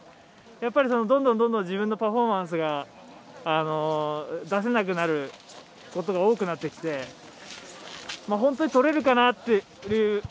やっぱり、どんどん自分のパフォーマンスが出せなくなることが多くなってきて本当にとれるかなっていう。